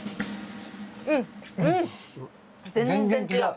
うんうん全然違う。